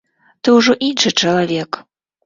Ты ўжо іншы чалавек.